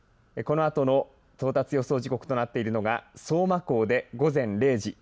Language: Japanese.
このあとの到達予想時刻となっているのが相馬港で午前０時。